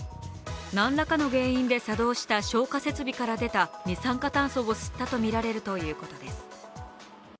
何らかの原因で作動した消火設備から出た二酸化炭素を吸ったとみられるということです